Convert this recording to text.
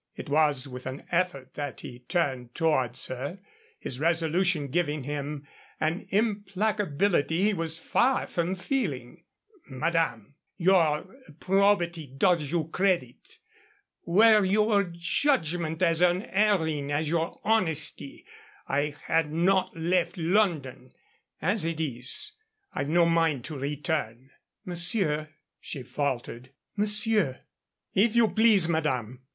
It was with an effort that he turned towards her, his resolution giving him an implacability he was far from feeling. "Madame, your probity does you credit. Were your judgment as unerring as your honesty, I had not left London. As it is, I've no mind to return." "Monsieur," she faltered "monsieur " "If you please, madame.